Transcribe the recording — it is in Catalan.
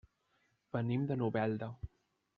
Venim de Novelda.